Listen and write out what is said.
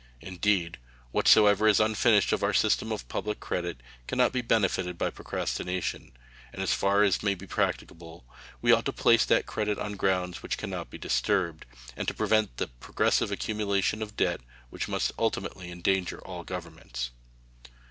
Indeed, whatsoever is unfinished of our system of public credit can not be benefited by procrastination; and as far as may be practicable we ought to place that credit on grounds which can not be disturbed, and to prevent that progressive accumulation of debt which must ultimately endanger all governments.